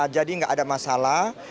jadi nggak ada masalah